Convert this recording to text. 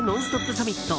サミット。